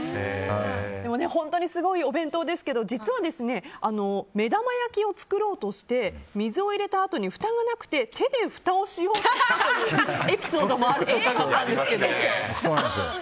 でも本当にすごいお弁当ですけど実は目玉焼きを作ろうとして水を入れたあとに、ふたがなくて手でふたをしようとしたというエピソードもあると伺ったんですけど。